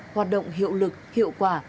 hoạt động hiệu lực hiệu quả